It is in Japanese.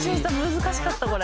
難しかったこれ」